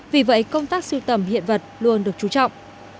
vì vậy công tác sưu tầm hiện vật luôn được chú trọng